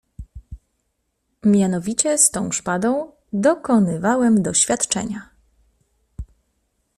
"Mianowicie z tą szpadą dokonywałem doświadczenia."